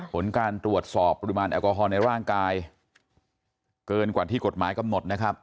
ผลการตรวจสอบปริมาณแอลกอฮอลในร่างกายเกินกว่าที่กฎหมายกำหนดนะครับ